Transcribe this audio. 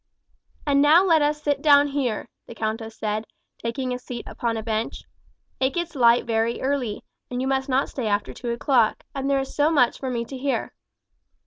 "And now let us sit down here," the countess said, taking a seat upon a bench. "It gets light very early, and you must not stay after two o'clock, and there is so much for me to hear."